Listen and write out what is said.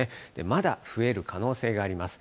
まだ増える可能性があります。